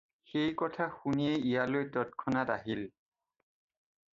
সেই কথা শুনিয়েই ইয়ালৈ তৎক্ষণাৎ আহিল।